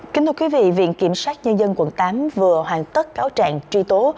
kính thưa quý vị viện kiểm soát nhân dân quận tám vừa hoàn tất cáo trạng tri tố